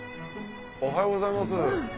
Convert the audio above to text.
おはようございます。